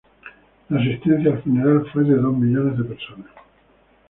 La asistencia al funeral fue de dos millones de personas.